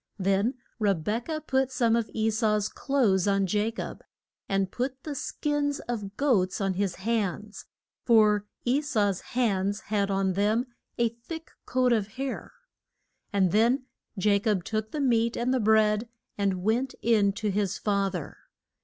Then Re bek ah put some of E sau's clothes on Ja cob, and put the skins of goats on his hands, for E sau's hands had on them a thick coat of hair. And then Ja cob took the meat and the bread and went in to his fa ther.